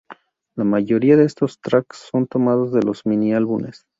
La mayoría de estos track son tomados de los mini-álbumes.